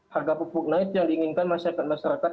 harga pupuk naik yang diinginkan masyarakat masyarakat